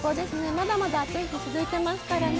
まだまだ暑い日続いてますからね